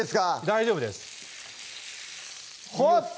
大丈夫ですほっ！